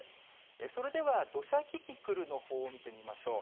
それでは、土砂キキクルのほうを見てみましょう。